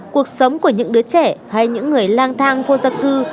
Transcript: cuộc sống của những đứa trẻ hay những người lang thang vô gia cư